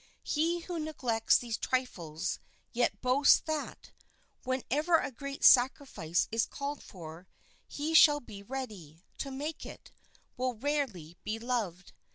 He who neglects these trifles, yet boasts that, whenever a great sacrifice is called for, he shall be ready to make it, will rarely be loved.